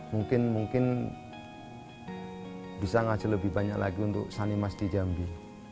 mungkin mungkin bisa ngasih lebih banyak lagi untuk sanimas di jambi